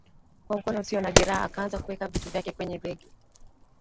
Kwa mkono usio na jeraha akaanza kuweka vitu vyake kwenye begi